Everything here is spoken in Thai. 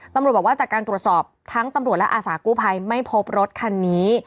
ตำรวจบอกว่าจากการตรวจสอบทั้งตำรวจและอาสากู้ภัยไม่พบรถคันนี้